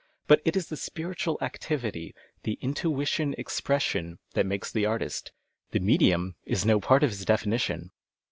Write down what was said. Hut it is the spiritual activity, the intuition expres sion, that makes the artist. The medium is no part of his definition.